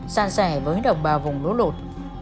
san sẻ với đồng bào vùng lỗ lột